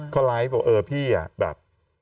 เขาไลฟ์เออพี่อะแบบ